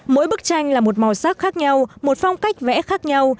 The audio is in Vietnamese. mỗi bức tranh là một màu sắc khác nhau một phong cách vẽ khác nhau